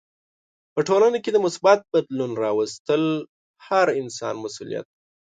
په ټولنه کې د مثبت بدلون راوستل هر انسان مسولیت دی.